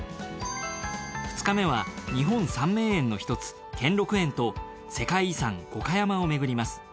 ２日目は日本三名園の一つ兼六園と世界遺産五箇山を巡ります。